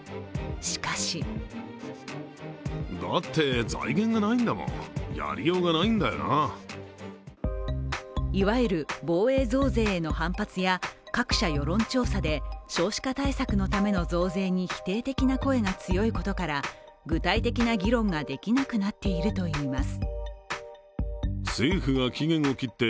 しかしいわゆる防衛増税への反発や各社世論調査で少子化対策のための増税に否定的な声が強いことから、具体的な議論ができなくなっているといいます。